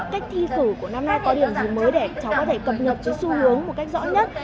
cách thi cử của năm nay có điều gì mới để cháu có thể cập nhật cái xu hướng một cách rõ nhất